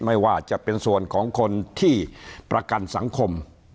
ไม่ว่าจะเป็นส่วนของคนที่ประกันสังคม